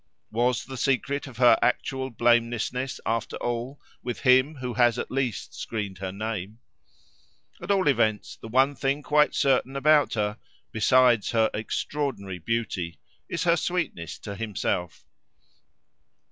Was the secret of her actual blamelessness, after all, with him who has at least screened her name? At all events, the one thing quite certain about her, besides her extraordinary beauty, is her sweetness to himself.